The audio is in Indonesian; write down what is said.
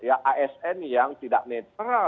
asn yang tidak netral